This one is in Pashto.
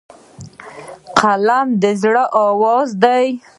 قلم د زړه آواز دی